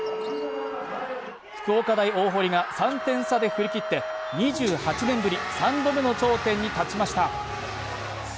福岡大大濠が３点差で振り切って２８年ぶり、３度目の頂点に立ちました。